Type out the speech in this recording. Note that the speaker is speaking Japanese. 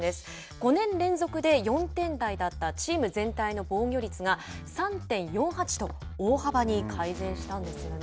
５年連続で４点台だったチーム全体の防御率が３．４８と大幅に改善したんですよね。